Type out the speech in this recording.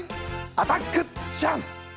アタックチャンス‼